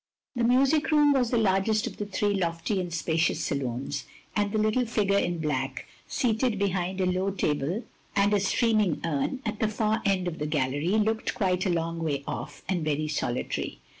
The music room was the largest of the three lofty and spacious saloons; and the little figure in black, seated behind a low table and a steaming tun, at the far end of the gallery, looked quite a long way off, and very solitary.